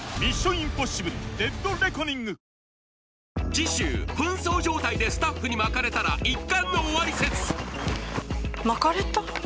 次週扮装状態でスタッフにまかれたら一巻の終わり説まかれた？